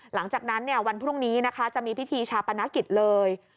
หลังจากนั้นวันพรุ่งนี้นะคะจะมีพิธีชาปนกิจเลย